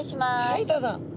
はいどうぞ。